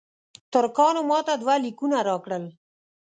ترکانو ماته دوه لیکونه راکړل.